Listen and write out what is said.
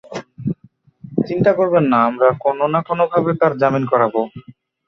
চিন্তা করবেন না, আমরা কোনো না কোনোভাবে তার জামিন করাব।